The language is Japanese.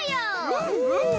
うんうん！